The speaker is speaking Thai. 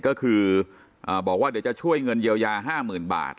ก็คืออ่าบอกว่าเดี๋ยวจะช่วยเงินเยียวยาห้าหมื่นบาท